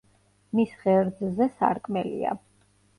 მის ღერძზე სარკმელია.